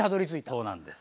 そうなんです。